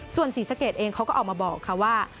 ส่วนศรีสะเกดเองเขาก็ออกมาบอกค่ะว่า